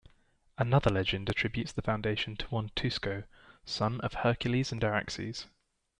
Another legend attributes the foundation to one Tusco, son of Hercules and Araxes.